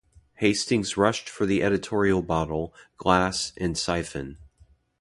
Hastings rushed for the editorial bottle, glass, and siphon.